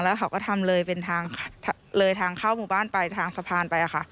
แล้วเขาก็ทำเลยเป็นทางเลยทางเข้าหมู่บ้านไปทางสะพานไปค่ะ